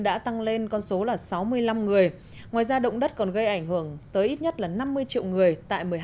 đã tăng lên con số là sáu mươi năm người ngoài ra động đất còn gây ảnh hưởng tới ít nhất là năm mươi triệu người tại một mươi hai